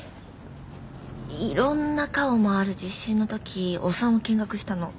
いろんな科を回る実習の時お産を見学したの。